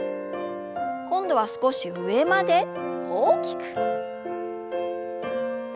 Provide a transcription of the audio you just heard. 今度は少し上まで大きく。